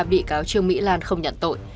bị cáo trương mỹ lan không nhận tội